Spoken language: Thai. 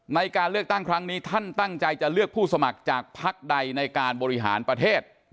ในการเลือกตั้งครั้งนี้ท่านตั้งใจจะเลือกผู้สมัครจากพักใดในการบริหารประเทศ